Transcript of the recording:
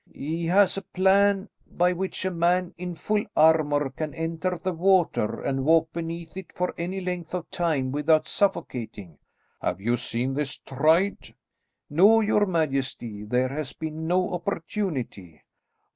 "He has a plan by which a man in full armour can enter the water and walk beneath it for any length of time without suffocating." "Have you seen this tried?" "No, your majesty; there has been no opportunity."